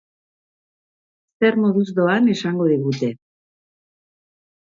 Zer moduz doan esango digute.